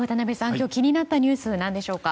今日気になったニュース何でしょうか？